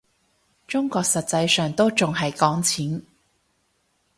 中國實際上都仲係講錢